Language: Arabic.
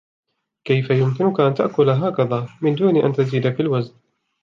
كيف يمكنك أن تأكل هكذا، من دون أن تزيد في الوزن؟